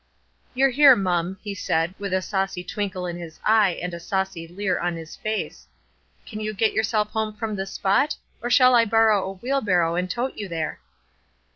"You're here, mum," he said, with a saucy twinkle in his eye and a saucy leer on his face. "Can you get yourself home from this spot, or shall I borrow a wheelbarrow and tote you there?"